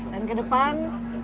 dan ke depan